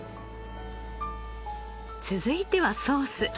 続いてはソース。